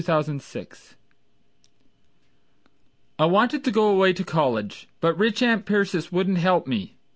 Searcy Foote I wanted to go away to college But rich Aunt Persis wouldn't help me.